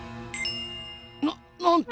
ななんと！